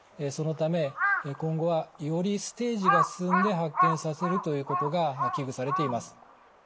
そのため今後はよりステージが進んで発見させるということが危惧されています。